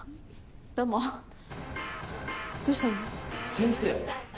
先生。